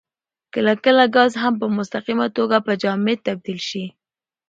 کله کله ګاز هم په مستقیمه توګه په جامد تبدیل شي.